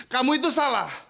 kamu itu salah